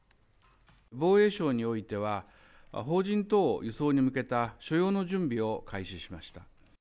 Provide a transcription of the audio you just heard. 防衛省においては、邦人等輸送に向けた、所要の準備を開始しました。